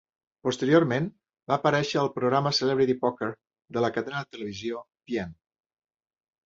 Posteriorment va aparèixer al programa Celebrity Poker de la cadena de televisió Tien.